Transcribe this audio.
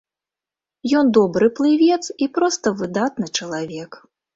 Ён добры плывец і проста выдатны чалавек.